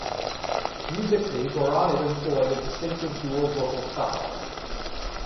Musically, Gorerotted employed a distinctive dual vocal style.